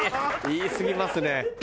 言いすぎますね。